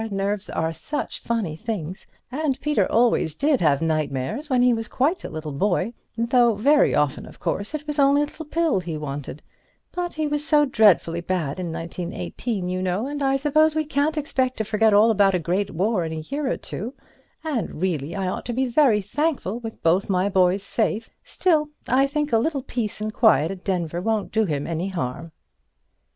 Nerves are such funny things, and Peter always did have nightmares when he was quite a little boy—though very often of course it was only a little pill he wanted; but he was so dreadfully bad in 1918, you know, and I suppose we can't expect to forget all about a great war in a year or two, and, really, I ought to be very thankful with both my boys safe. Still, I think a little peace and quiet at Denver won't do him any harm."